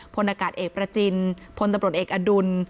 พลอากาศเอกประจินพลตำรวจเอกอดุล